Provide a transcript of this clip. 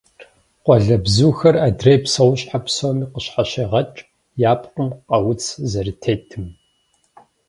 Къуалэбзухэр адрей псэущхьэ псоми къащхьэщегъэкӏ я пкъым къэуц зэрытетым.